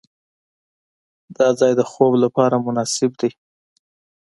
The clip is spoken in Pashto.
دا ځای د خوب لپاره مناسب دی.